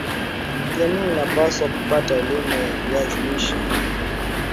jamii inapaswa kupata elimu ya viazi lishe